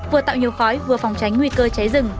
vừa tạo nhiều khói vừa phòng tránh nguy cơ cháy rừng